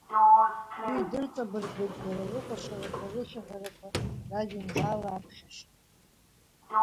Уи дырҵабыргуеит дара рыкәашарақәа, рышәаҳәарақәа, ражәеинраала аԥхьашьа.